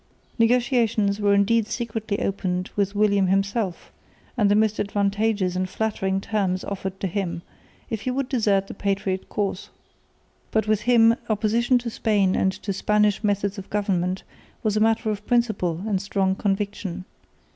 Negotiations were indeed secretly opened with William himself, and the most advantageous and flattering terms offered to him, if he would desert the patriot cause. But with him opposition to Spain and to Spanish methods of government was a matter of principle and strong conviction.